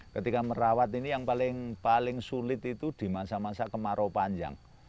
ketika merawat ini yang paling sulit itu di masa masa kemarau panjang